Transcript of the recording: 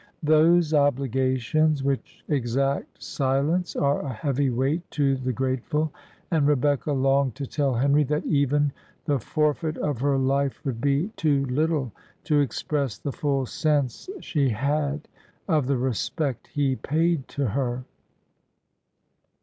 Those obligations which exact silence are a heavy weight to the grateful; and Rebecca longed to tell Henry "that even the forfeit of her life would be too little to express the full sense she had of the respect he paid to her."